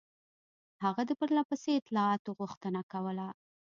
هغه د پرله پسې اطلاعاتو غوښتنه کوله.